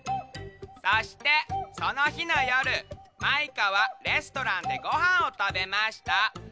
そしてそのひのよるマイカはレストランでごはんをたべました。